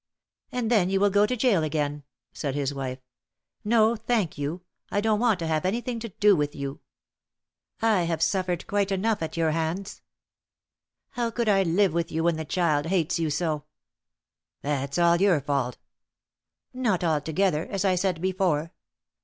"And then you will go to gaol again," said his wife. "No, thank you, I don't want to have anything to do with you. I have suffered quite enough at your hands. How could I live with you when the child hates you so?" "That's all your fault!" "Not altogether, as I said before.